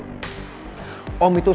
kalau kamu mau mencari